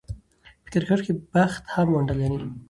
په کرکټ کښي بخت هم ونډه لري.